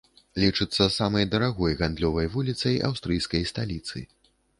Лічыцца самай дарагой гандлёвай вуліцай аўстрыйскай сталіцы.